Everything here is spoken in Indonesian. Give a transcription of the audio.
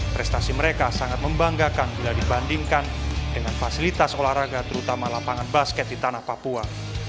prestasi mereka sangat membanggakan bila dibandingkan dengan fasilitas olahraga terutama lapangan basket di tanah papua